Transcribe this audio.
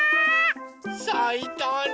さいたね。